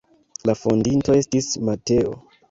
La fondinto estis Mateo.